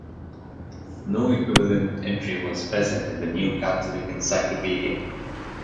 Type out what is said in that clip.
No equivalent entry was present in the "New Catholic Encyclopedia".